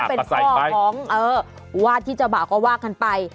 เป็นข้อของเออวาดที่จะบ่าก็ว่ากันไป